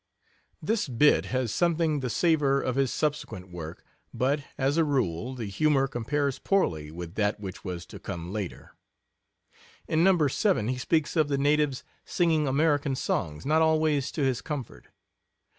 This bit has something the savor of his subsequent work, but, as a rule, the humor compares poorly with that which was to come later. In No. 7 he speaks of the natives singing American songs not always to his comfort.